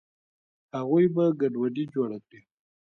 اغوئ به ګډوډي جوړه کي.